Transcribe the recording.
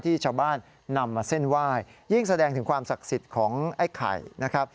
ที่ชาวบ้านนำมาเส้นไหว้ยิ่งแสดงถึงความศักดิ์สิทธิ์ของไอ้ไข่นะครับ